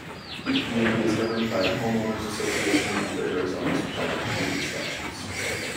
The community is governed by a homeowners' association under Arizona's planned community statutes.